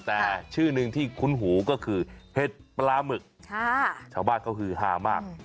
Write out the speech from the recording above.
แต่ชื่อหนึ่งที่คุ้นหูก็คือเห็ดปลาหมึกชาวบ้านเขาฮือฮามาก